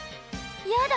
やだ！